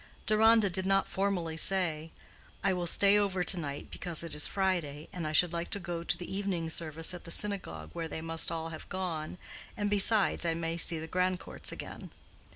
Deronda did not formally say, "I will stay over to night, because it is Friday, and I should like to go to the evening service at the synagogue where they must all have gone; and besides, I may see the Grandcourts again."